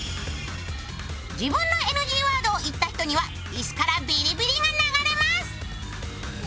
自分のＮＧワードを言った人には椅子からビリビリが流れます。